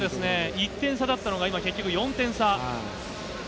１点差だったのが、今、結局４点差。